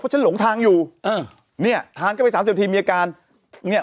ฉันหลงทางอยู่เออเนี่ยทานเข้าไปสามสิบทีมีอาการเนี่ย